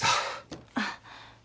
あっ。